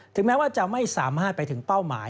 แม้ว่าจะไม่สามารถไปถึงเป้าหมาย